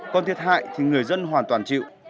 còn thiệt hại thì người dân hoàn toàn chịu